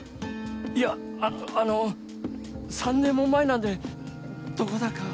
いやあの３年も前なんでどこだか。